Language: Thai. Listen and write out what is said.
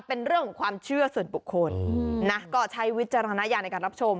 เป็นเรื่องของความเชื่อส่วนบุคคลนะก็ใช้วิจารณญาณในการรับชม